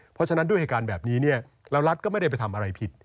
เพราะฉะนั้นด้วยเหตุการณ์แบบนี้เนี่ยแล้วรัฐก็ไม่ได้ไปทำอะไรผิด